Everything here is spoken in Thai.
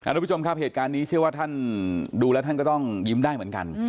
ทุกผู้ชมครับเหตุการณ์นี้เชื่อว่าท่านดูแล้วท่านก็ต้องยิ้มได้เหมือนกัน